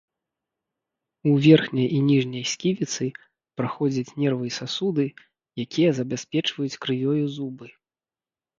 У верхняй і ніжняй сківіцы праходзяць нервы і сасуды, якія забяспечваюць крывёю зубы.